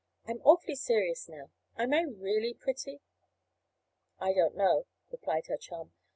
I am awfully serious now. Am I really pretty?" "I don't know," replied her chum.